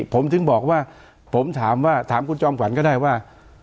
ผมถึงบอกว่าผมถามว่าถามคุณจอมขวัญก็ได้ว่า